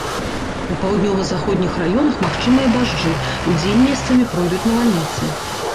У паўднёва-заходніх раёнах магчымыя дажджы, удзень месцамі пройдуць навальніцы.